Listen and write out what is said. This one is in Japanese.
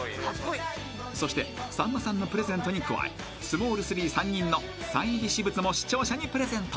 ［そしてさんまさんのプレゼントに加えスモール３３人のサイン入り私物も視聴者にプレゼント］